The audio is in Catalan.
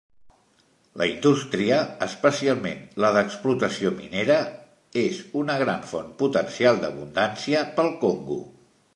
La indústria, especialment la d'explotació minera, és una gran font potencial d'abundància pel Congo.